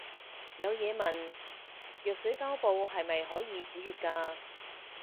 有嘢問，藥水膠布係咪可以止血㗎